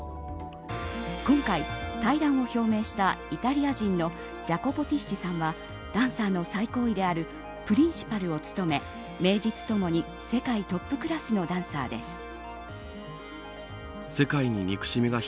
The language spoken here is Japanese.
今回退団を表明したイタリア人のジャコポ・ティッシさんはダンサーの最高位であるプリンシパルを務め名実ともに世界トップクラスのダンサーです。